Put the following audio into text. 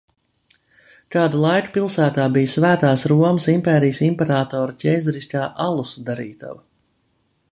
Kādu laiku pilsētā bija Svētās Romas impērijas imperatora ķeizariskā alus darītava.